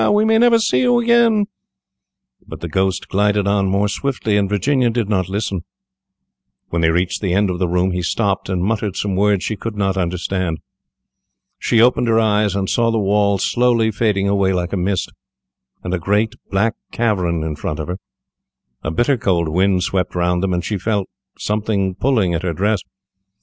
we may never see you again," but the Ghost glided on more swiftly, and Virginia did not listen. When they reached the end of the room he stopped, and muttered some words she could not understand. She opened her eyes, and saw the wall slowly fading away like a mist, and a great black cavern in front of her. A bitter cold wind swept round them, and she felt something pulling at her dress.